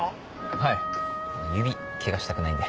はい指ケガしたくないんで。